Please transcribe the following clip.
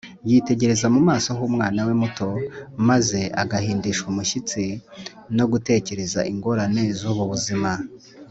Yitegereza mu maso h’umwana we muto, maze agahindishwa umushyitsi no gutekereza ingorane z’ubu buzima.